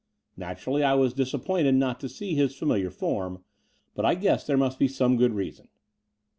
Naturally I was disappointed not to see his familiar form; but I guessed there must be some good reason.